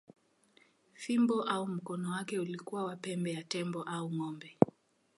Fimbo au mkono wake ulikuwa wa pembe ya tembo au ng’ombe.